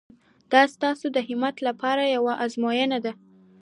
دا ستاسو د همت لپاره یوه ازموینه ده.